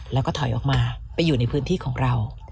แล้วก็ถอยออกมาไปอยู่ในพื้นที่ของเรา